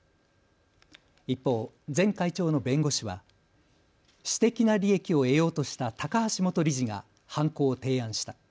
一方、前会長の弁護士は私的な利益を得ようとした高橋元理事が犯行を提案した。